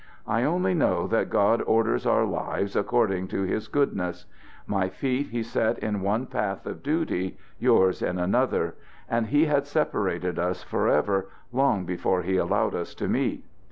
"I only know that God orders our lives according to his goodness. My feet he set in one path of duty, yours in another, and he had separated us forever long before he allowed us to meet.